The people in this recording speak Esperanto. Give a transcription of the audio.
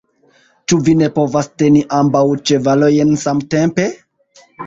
Ĉu vi ne povas teni ambaŭ ĉevalojn samtempe?